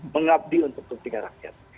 mengabdi untuk kepentingan rakyat